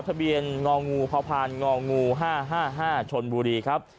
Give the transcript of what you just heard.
ทะเบียนงองูพพง๕๕ชนบุรีครับ